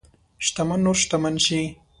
شتمن نور شتمن شي.